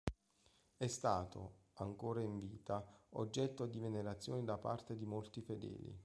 È stato, ancora in vita, oggetto di venerazione da parte di molti fedeli.